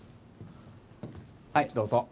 はいどうぞ。